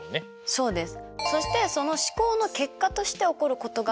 そうです。